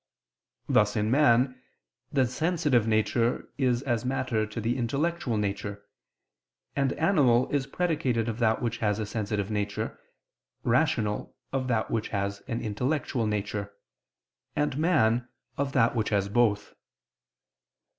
Thus, in man, the sensitive nature is as matter to the intellectual nature, and animal is predicated of that which has a sensitive nature, rational of that which has an intellectual nature, and man of that which has both.